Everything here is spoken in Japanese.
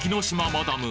マダム